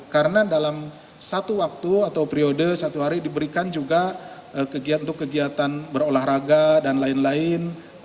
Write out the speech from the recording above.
karena dalam satu waktu atau periode satu hari diberikan juga untuk kegiatan berolahraga dan lain lain